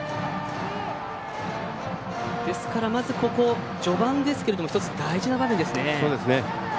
まず、ここ序盤ですが１つ大事な場面ですね。